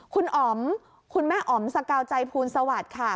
คุณอ๋อมคุณแม่อ๋อมสกาวใจภูลสวัสดิ์ค่ะ